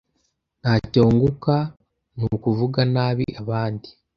Ntacyo wunguka nukuvuga nabi abandi.